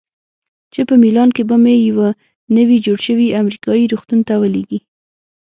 چې په میلان کې به مې یوه نوي جوړ شوي امریکایي روغتون ته ولیږي.